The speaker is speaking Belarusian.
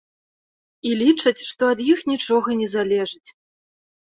І лічаць, што ад іх нічога не залежыць.